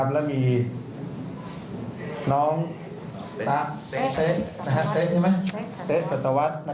และมีน้องเต๊ะสัตวัส